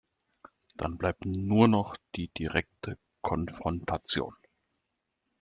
Dann bleibt nur noch die direkte Konfrontation.